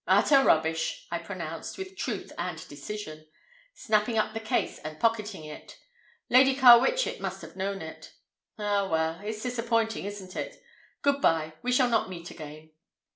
"Utter rubbish!" I pronounced, with truth and decision, snapping up the case and pocketing it. "Lady Carwitchet must have known it." "Ah, well, it's disappointing, isn't it? Good by, we shall not meet again."